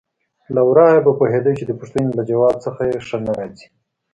له ورايه به پوهېدې چې د پوښتنې له ځواب څخه یې ښه نه راځي.